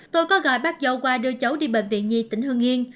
tôi có gọi bác dâu qua đưa cháu đi bệnh viện nhi tỉnh hương yên